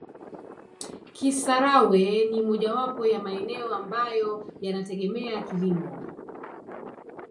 Kisarawe ni mojawapo ya maeneo ambayo yanategemea kilimo